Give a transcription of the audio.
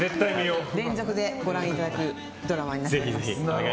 連続でご覧いただくドラマになっています。